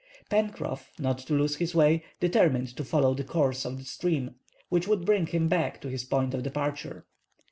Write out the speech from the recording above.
Pencroff, not to lose his way, determined to follow the course of the stream, which would bring him back to his point of departure.